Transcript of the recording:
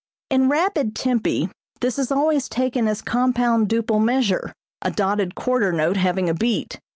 In rapid tempi this is always taken as compound duple measure, a dotted quarter note having a beat.